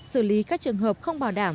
xử lý các trường hợp không bảo đảm